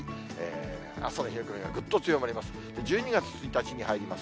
朝の冷え込みがぐっと強まります。